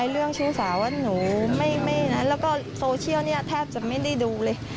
เรื่องชื่นสาวนะหนูเม่ยแล้วก็โซเชียลแทบจะไม่ได้ดูเลย